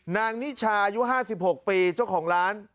นิชายุ๕๖ปีเจ้าของร้าน